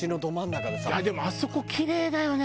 でもあそこキレイだよね。